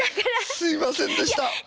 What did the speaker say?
すいませんでした。